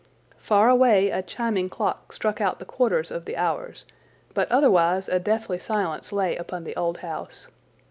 Far away a chiming clock struck out the quarters of the hours, but otherwise a deathly silence lay upon the old house.